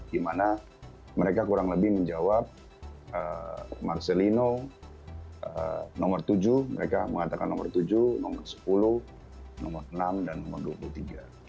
di mana mereka kurang lebih menjawab marcelino nomor tujuh mereka mengatakan nomor tujuh nomor sepuluh nomor enam dan nomor dua puluh tiga